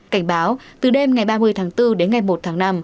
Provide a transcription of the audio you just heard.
cảnh báo từ đêm ngày ba mươi tháng bốn đến ngày một tháng năm